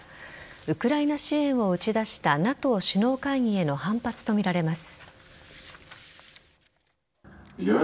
ウクライナ支援を打ち出したＮＡＴＯ首脳会議への反発とみられます。